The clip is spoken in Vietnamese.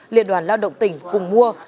liên đoàn lao động tỉnh cùng mua